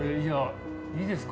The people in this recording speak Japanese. いいですか？